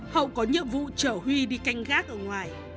hậu có nhiệm vụ chở huy đi canh gác ở ngoài